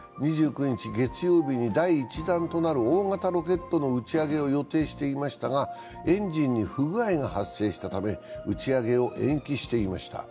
２９日月曜日に第１弾となる大型ロケットの打ち上げを予定していましたが、エンジンに不具合が発生したため、打ち上げを延期していました。